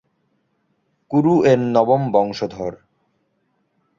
কুরু এর নবম বংশধর।